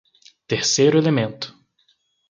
Terceiro elemento